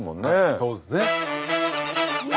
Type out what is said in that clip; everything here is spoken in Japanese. そうですね。